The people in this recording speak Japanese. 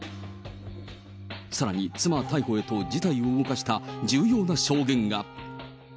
さらに、妻逮捕へと事態を動かした重要な証言が。